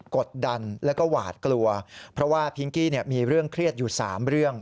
กดดันแล้วก็หวาดกลัวเพราะว่าพิงกี้มีเรื่องเครียดอยู่๓เรื่อง